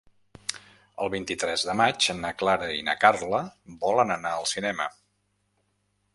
El vint-i-tres de maig na Clara i na Carla volen anar al cinema.